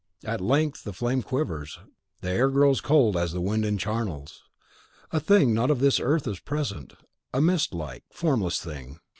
At length the flame quivers, the air grows cold as the wind in charnels. A thing not of earth is present, a mistlike, formless thing.